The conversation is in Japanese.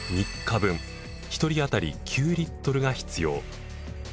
１人あたり９リットルが必要。